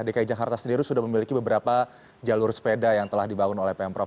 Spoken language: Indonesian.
dki jakarta sendiri sudah memiliki beberapa jalur sepeda yang telah dibangun oleh pemprov